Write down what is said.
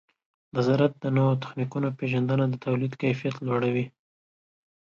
د زراعت د نوو تخنیکونو پیژندنه د تولید کیفیت لوړوي.